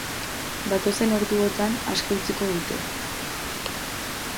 Datozen orduotan aske utziko dute.